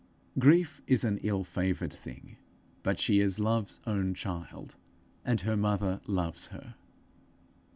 Grief is an ill favoured thing, but she is Love's own child, and her mother loves her.